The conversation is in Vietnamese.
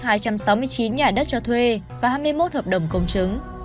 danh sách hai trăm sáu mươi chín nhà đất cho thuê và hai mươi một hợp đồng công chứng